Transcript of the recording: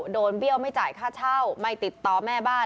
เบี้ยวไม่จ่ายค่าเช่าไม่ติดต่อแม่บ้าน